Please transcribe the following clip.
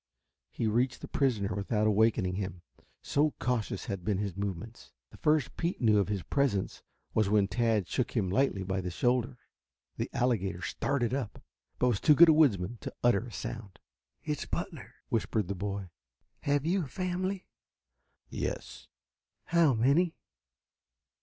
He reached the prisoner without awakening him, so cautious had been his movements. The first Pete knew of his presence was when Tad shook him lightly by the shoulder. The "Alligator" started up, but was too good a woodsman to utter a sound. "It's Butler," whispered the boy. "Have you a family?" "Yes." "How many?"